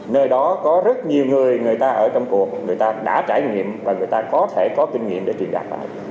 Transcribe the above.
nơi đó có rất nhiều người người ta ở trong cuộc người ta đã trải nghiệm và người ta có thể có kinh nghiệm để truyền đạt